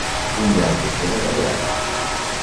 Un drap de seda llavorat.